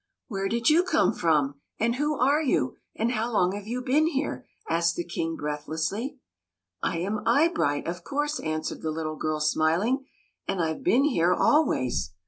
"Where did you come from and who are you and how long have you been here?" asked the King, breathlessly. "I am Eyebright, of course, answered the little girl, smiling ;" and I've been here always."